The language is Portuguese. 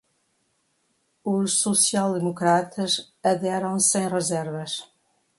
os social-democratas aderem sem reservas